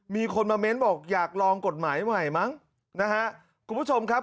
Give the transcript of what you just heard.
มีคนมาเม้นบอกอยากลองกฎหมายใหม่มั้งนะฮะคุณผู้ชมครับ